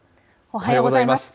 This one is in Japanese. おはようございます。